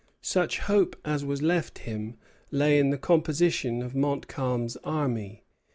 Such hope as was left him lay in the composition of Montcalm's army.